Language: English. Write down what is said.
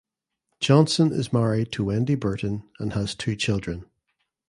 Johnson is married to Wendi Burton and has two children.